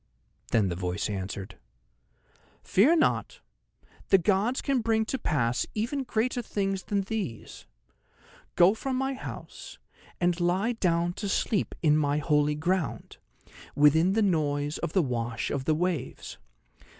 Then the voice answered: "Fear not! the gods can bring to pass even greater things than these. Go from my house, and lie down to sleep in my holy ground, within the noise of the wash of the waves.